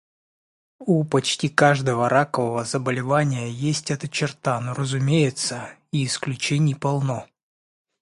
У почти каждого ракового заболевания есть эта черта, но, разумеется, и исключений полно.